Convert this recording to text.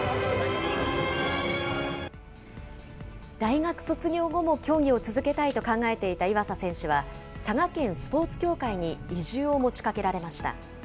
大学卒業後も競技を続けたいと考えていた岩佐選手は、佐賀県スポーツ協会に移住を持ちかけられました。